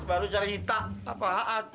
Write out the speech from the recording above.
baru cerita apaan